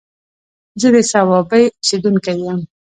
زه د صوابۍ اوسيدونکی يم